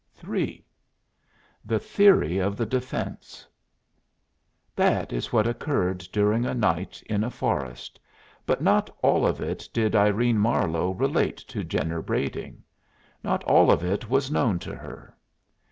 III THE THEORY OF THE DEFENSE That is what occurred during a night in a forest, but not all of it did Irene Marlowe relate to Jenner Brading; not all of it was known to her.